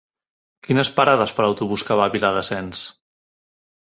Quines parades fa l'autobús que va a Viladasens?